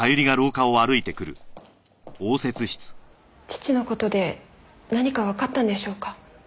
父の事で何かわかったんでしょうか？